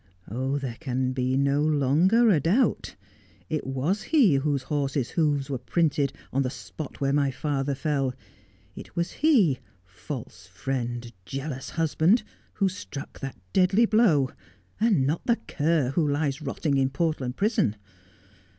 Oh, there can be no longer a doubt. It was he whose horse's hoofs were printed on the spot where my father fell ; it was he — false friend — jealous husband — who struck that deadly blow, and not the cur who lies rotting in Portland Prison.